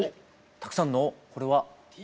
たくさんのこれは。